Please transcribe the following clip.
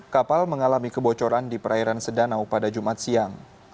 kapal mengalami kebocoran di perairan sedanau pada jumat siang